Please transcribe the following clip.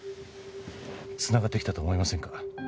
つながってきたと思いませんか？